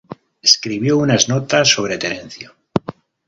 Escribió unas notas sobre Terencio.